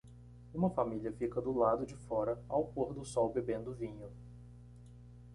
Uma família fica do lado de fora ao pôr do sol bebendo vinho